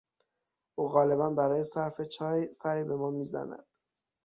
او غالبا برای صرف چای سری به ما میزند.